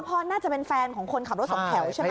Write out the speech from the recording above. เพราะน่าจะเป็นแฟนของคนขับรถสองแถวใช่ไหม